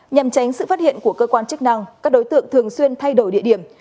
nhằm tránh sự phát hiện của cơ quan chức năng các đối tượng thường xuyên thay đổi địa điểm